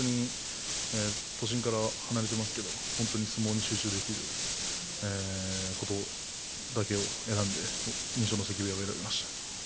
都心から離れていますけど、相撲に集中できることだけを選んで二所ノ関部屋を選びました。